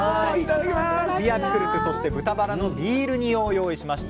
ビアピクルスそして豚バラのビール煮を用意しました。